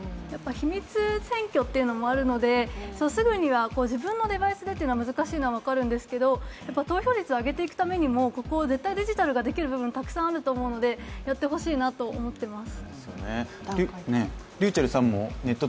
秘密選挙というのもあるので、すぐには自分のデバイスでというのは難しいのは分かるんですけど投票率を上げていくためにも絶対にデジタルができる部分がたくさんあると思うのでやってほしいなと思ってます。